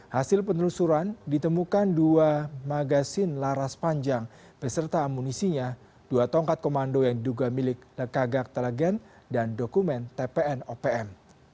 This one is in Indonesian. hasil penelusuran ditemukan dua magasin laras panjang beserta amunisinya dua tongkat komando yang diduga milik lekagak telegen dan dokumen tpn opm